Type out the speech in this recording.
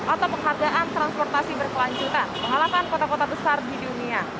atau penghargaan transportasi berkelanjutan mengalahkan kota kota besar di dunia